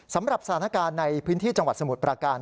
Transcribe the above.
สำหรับสถานการณ์ในพื้นที่จังหวัดสมุทรประการ